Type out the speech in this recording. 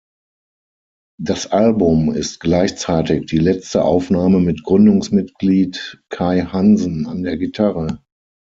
Das Album ist gleichzeitig die letzte Aufnahme mit Gründungsmitglied Kai Hansen an der Gitarre.